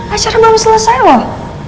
acara belum selesai loh